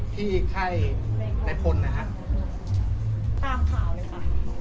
ที่ไข้ในพลนะฮะตามข่าวเลยค่ะ